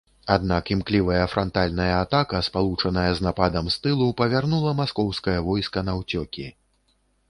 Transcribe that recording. Аднак, імклівая франтальная атака, спалучаная з нападам з тылу, павярнула маскоўскае войска наўцёкі.